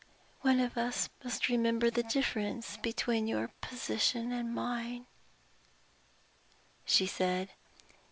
"One of us must remember the difference between your position and mine," she said.